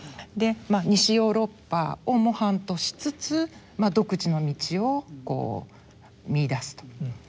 西ヨーロッパを模範としつつ独自の道を見いだすと。